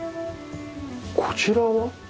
こちらは？